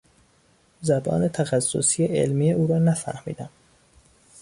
زبان تخصصی علمی او را نفهمیدم.